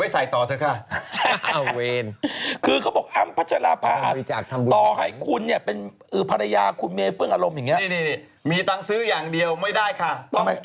ส่วนมากฉันรำไทยนะ